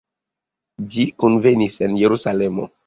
Ĝi kunvenis en Jerusalemo.